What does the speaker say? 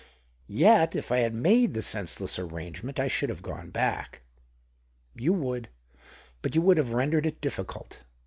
*'Yet, if I had made the senseless arrange ment, I should have gone back." " You would — but you would have rendered it difficult.